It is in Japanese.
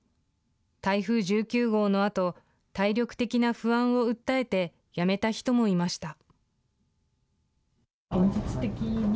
台風１９号のあと、体力的な不安を訴えて辞めた人もいました。